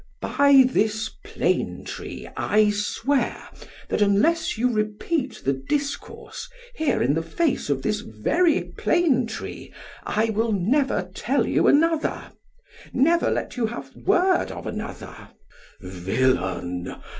'By this plane tree I swear, that unless you repeat the discourse here in the face of this very plane tree, I will never tell you another; never let you have word of another!' SOCRATES: Villain!